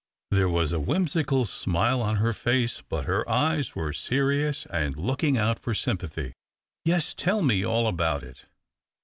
There was a whimsical smile on her face, but her eyes were serious and looking out for sympathy. "Yes ! tell me all about it."